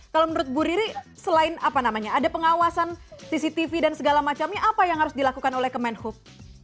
kalau menurut bu riri selain apa namanya ada pengawasan cctv dan segala macamnya apa yang harus dilakukan oleh kemenhub